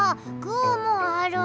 グーもある。